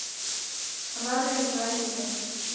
W'aw'eliw'aliw'a